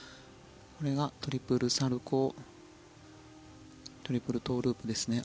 これがトリプルサルコウトリプルトウループですね。